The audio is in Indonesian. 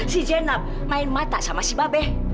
si jenap main mata sama si babeh